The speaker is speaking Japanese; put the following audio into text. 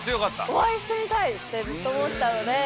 お会いしてみたいってずっと思ってたので。